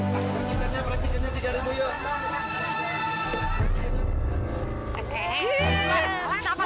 tidak ada yang bisa mengangkutnya